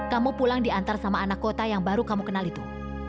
kamu pulang diantar sama anak kota yang baru kamu kenal itu